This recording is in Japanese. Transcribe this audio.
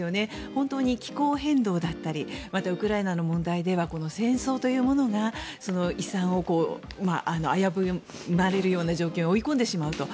本当に気候変動だったりまた、ウクライナの問題では戦争というものが遺産を危ぶまれるような状況に追い込んでしまうと。